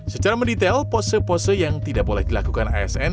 secara mendetail pose pose yang tidak boleh dilakukan asn